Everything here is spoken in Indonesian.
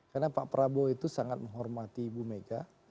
karena pak prabowo itu sangat menghormati bu mega